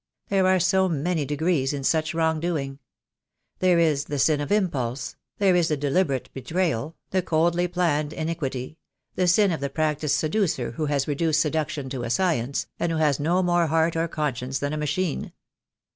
There are so many de grees in such wrong doing! There is the sin of impulse: there is the deliberate betrayal, the coldly planned in iquity, the sin of the practised seducer who has reduced seduction to a science, and who has no more heart or conscience than a machine.